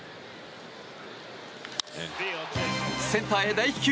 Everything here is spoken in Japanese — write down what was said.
センターへ大飛球。